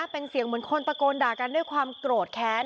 เป็นเสียงเหมือนคนตะโกนด่ากันด้วยความโกรธแค้น